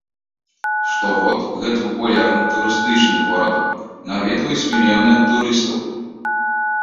Штогод гэты папулярны турыстычны горад наведваюць мільёны турыстаў.